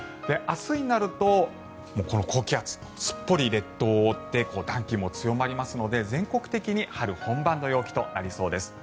明日になるとこの高気圧はすっぽり列島を覆って暖気も強まりますので全国的に春本番の陽気となりそうです。